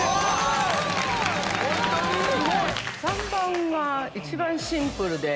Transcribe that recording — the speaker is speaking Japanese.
３番が一番シンプルで。